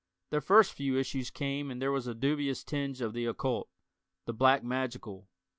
The first few issues came and there was a dubious tinge of the occult, the "black magical."